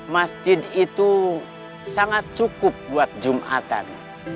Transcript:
masjid itu sangat cukup buat jumatan